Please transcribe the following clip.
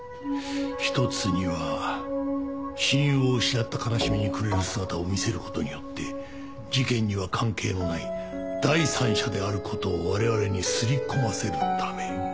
一つには親友を失った悲しみに暮れる姿を見せる事によって事件には関係のない第三者である事を我々に刷り込ませるため。